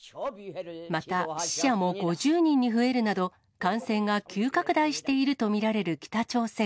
また死者も５０人に増えるなど、感染が急拡大していると見られる北朝鮮。